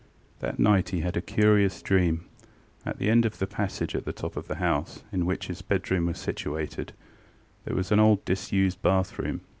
That night he had a curious dream. At the end of the passage at the top of the house, in which his bedroom was situated, there was an old disused bathroom.